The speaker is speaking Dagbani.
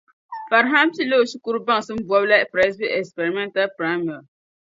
Farihan pilila o shikuru baŋsim bɔbu la Presby Experimental Primary.